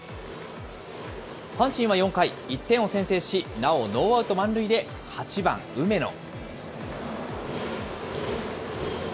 阪神は４回、１点を先制し、なおノーアウト満塁で、８番梅野。